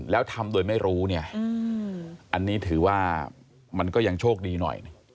แล้วทำโดยไม่รู้เนี่ยอันนี้ถือว่ามันก็ยังโชคดีหน่อย